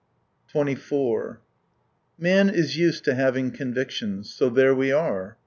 41 ^4 Man is used to having convictions, so there we are.